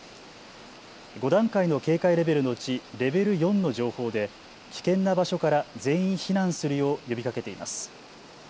５段階の警戒レベルのうちレベル４の情報で危険な場所から全員避難するよう呼びかけています。